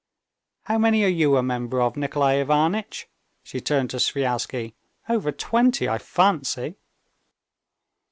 How many are you a member of, Nikolay Ivanitch?" she turned to Sviazhsky—"over twenty, I fancy."